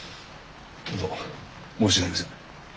ホント申し訳ありません。